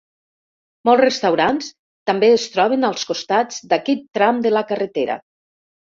Molts restaurants també es troben als costats d"aquest tram de la carretera.